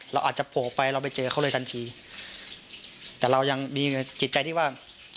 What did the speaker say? เราอาจจะโผล่ไปเราไปเจอเขาเลยทันทีแต่เรายังมีจิตใจที่ว่า